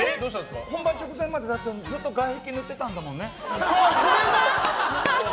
本番直前までずっと外壁塗ってたんだもんね。